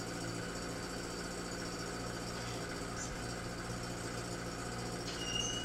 La réduction de la pyrite apparaît plus rare.